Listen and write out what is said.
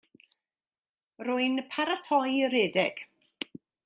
Rwy'n paratoi i redeg.